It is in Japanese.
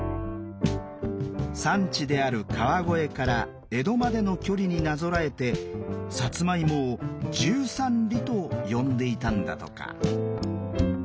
産地である川越から江戸までの距離になぞらえてさつまいもを「十三里」と呼んでいたんだとか。